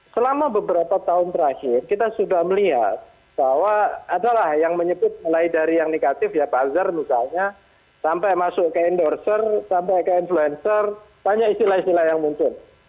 selama beberapa tahun terakhir kita sudah melihat bahwa adalah yang menyebut mulai dari yang negatif ya buzzer misalnya sampai masuk ke endorser sampai ke influencer banyak istilah istilah yang muncul